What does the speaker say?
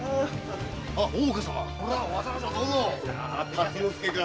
「辰之助」か。